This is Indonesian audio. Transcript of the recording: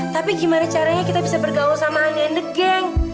tapi gimana caranya kita bisa bergaul sama honey and the gang